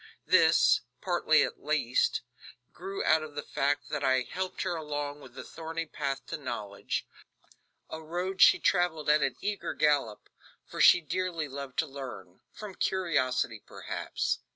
This, partly at least, grew out of the fact that I helped her along the thorny path to knowledge; a road she traveled at an eager gallop, for she dearly loved to learn from curiosity perhaps.